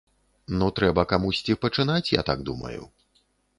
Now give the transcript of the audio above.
Ну трэба камусьці пачынаць, я так думаю.